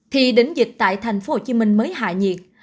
thì đỉnh dịch tại thành phố hồ chí minh mới hạ nhiệt